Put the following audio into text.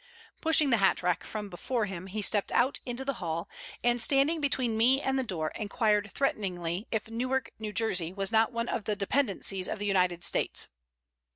Pushing the hat rack from before him, he stepped out into the hall, and, standing between me and the door, inquired threateningly if Newark, New Jersey, was not one of the dependencies of the United States.